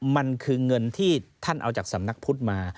มันคือเงินที่ท่านเอาจากสำนักพุทธมา